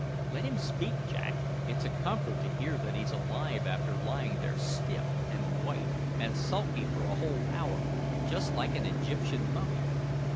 "Let him speak, Jack; it's a comfort to hear that he's alive after lying there stiff and white and sulky for a whole hour, just like an Egyptian mummy.